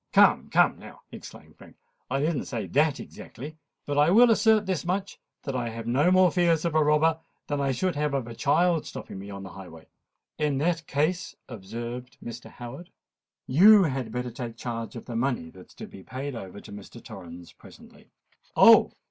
"Come, come now," exclaimed Frank: "I don't say that exactly. But I will assert this much—that I have no more fears of a robber than I should have of a child's stopping me on the highway." "In that case," observed Mr. Howard, throwing a pocket book across the table towards Curtis, "you had better take charge of the money that's to be paid over to Mr. Torrens presently." "Oh!